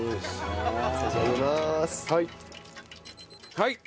はい。